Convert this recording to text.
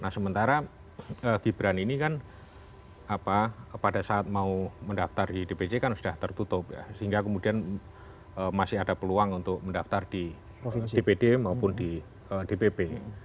nah sementara gibran ini kan pada saat mau mendaftar di dpc kan sudah tertutup ya sehingga kemudian masih ada peluang untuk mendaftar di dpd maupun di dpp